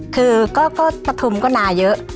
คือก็ปฐุมก็นาเยอะ